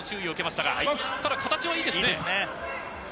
ただ形はいいですよね。